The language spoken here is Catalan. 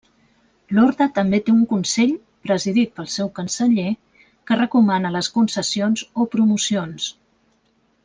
L'orde també té un Consell, presidit pel seu Canceller, que recomana les concessions o promocions.